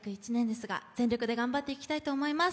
全力で頑張っていきたいと思います。